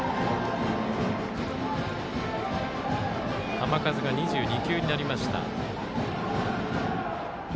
球数が２２球になりました辻井。